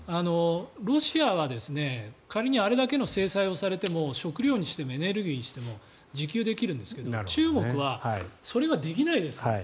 ロシアは仮にあれだけの制裁をされても食料にしてもエネルギーにしても自給できるんですけど中国はそれはできないです。